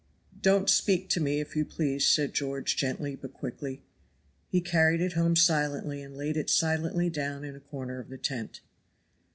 "Don't speak to me, if you please," said George, gently but quickly. He carried it home silently, and laid it silently down in a corner of the tent.